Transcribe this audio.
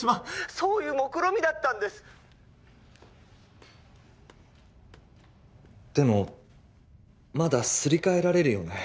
☎そういうもくろみだったんですでもまだすり替えられるよね？